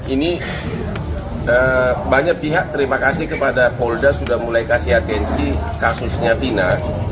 ini banyak pihak terima kasih kepada polda sudah mulai kasih atensi kasusnya fina